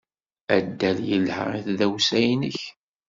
Addal yelha i tdawsa-nnek.